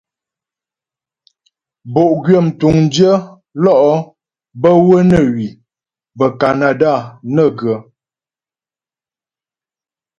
Bo'gwyə mtuŋdyə lɔ' bə́ wə́ nə hwi bə́ Kanada nə ghə.